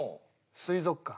水族館？